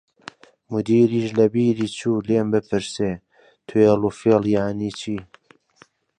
مودیریش لە بیری چوو لێم بپرسێ توێڵ و فێڵ یانی چی؟